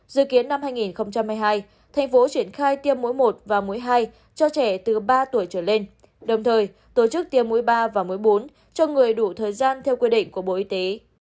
dự kiến năm hai nghìn hai mươi hai thành phố triển khai tiêm mũi một và mũi hai cho trẻ từ ba tuổi trở lên đồng thời tổ chức tiêm mũi ba và muối bốn cho người đủ thời gian theo quy định của bộ y tế